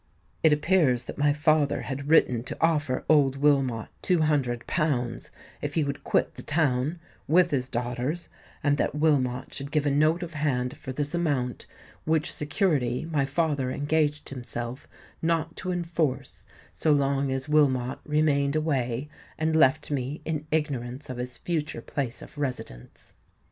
It appears that my father had written to offer old Wilmot two hundred pounds if he would quit the town, with his daughters, and that Wilmot should give a note of hand for this amount, which security my father engaged himself not to enforce so long as Wilmot remained away and left me in ignorance of his future place of residence.